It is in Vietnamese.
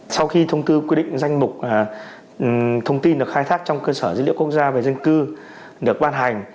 sau khi thông tư quy định danh mục thông tin được khai thác trong cơ sở dữ liệu quốc gia về dân cư được ban hành